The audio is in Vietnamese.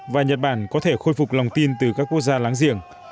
và nhật bản có thể khôi phục lòng tin từ các quốc gia láng giềng